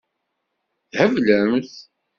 Theblemt.